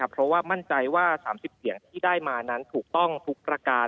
เพราะว่ามั่นใจว่า๓๐เสียงที่ได้มานั้นถูกต้องทุกประการ